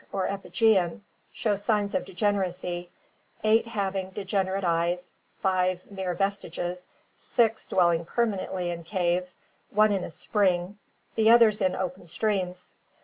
a>*J, life) or epigean, show signs of degeneracy, eight having degenerate eyes, five mere vestiges, six dwelling permanently in caves, one in a spring, the others in open streams.